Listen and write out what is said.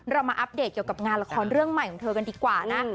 เรามาอัปเดตเกี่ยวกับงานละครเรื่องใหม่ของเธอกันดีกว่านะ